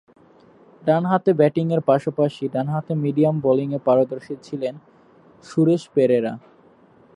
ডানহাতে ব্যাটিংয়ের পাশাপাশি ডানহাতে মিডিয়াম বোলিংয়ে পারদর্শী ছিলেন সুরেশ পেরেরা।